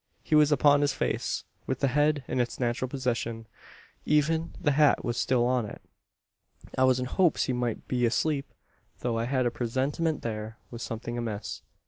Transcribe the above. He was upon his face with the head in its natural position. Even the hat was still on it! "I was in hopes he might be asleep; though I had a presentiment there was something amiss.